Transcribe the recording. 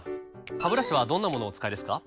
ハブラシはどんなものをお使いですか？